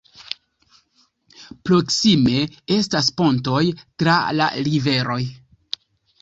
Proksime estas pontoj tra la riveroj.